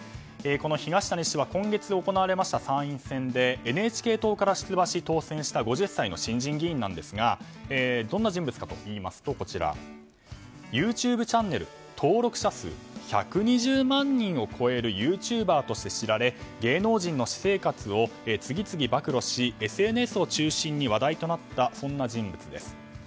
東谷氏は、今月行われました参院選でＮＨＫ党から出馬し当選した５０歳の新人議員ですがどんな人物かといいますとＹｏｕＴｕｂｅチャンネル登録者数１２０万人を超えるユーチューバーとして知られ芸能人の私生活を次々暴露しＳＮＳを中心に話題となった、そんな人物です。